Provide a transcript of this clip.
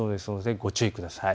ご注意ください。